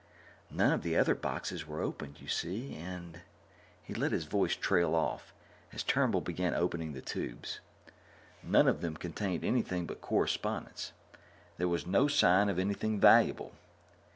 None of the other boxes were opened, you see, and " He let his voice trail off as Turnbull began opening the tubes. None of them contained anything but correspondence. There was no sign of anything valuable.